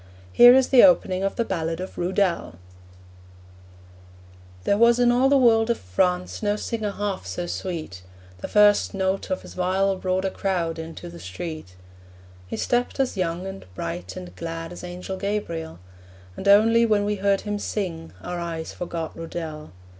Here is the opening of the ballad of Rudel: There was in all the world of France No singer half so sweet: The first note of his viol brought A crowd into the street. He stepped as young, and bright, and glad As Angel Gabriel. And only when we heard him sing Our eyes forgot Rudel.